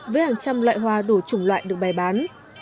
với hàng trăm loại hoa đủ chủng loại được bày bán